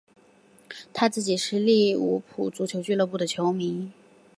他自己是利物浦足球俱乐部的球迷。